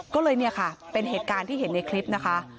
ก็เลยเนี่ยค่ะเป็นเหตุการณ์ที่เห็นในคลิปนะคะ